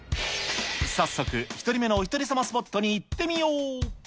早速、１つ目のおひとり様スポットに行ってみよう。